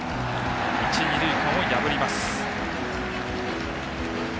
一、二塁間を破ります。